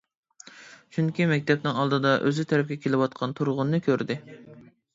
چۈنكى مەكتەپنىڭ ئالدىدا ئۆزى تەرەپكە كېلىۋاتقان تۇرغۇننى كۆردى.